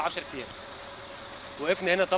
kita berdiri disini seperti yang anda lihat